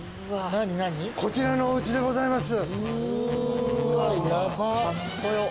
こちらのお家でございます。